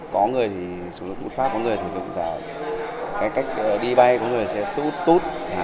có người thì sử dụng bút pháp có người thì dùng cái cách đi bay có người thì sẽ tút tút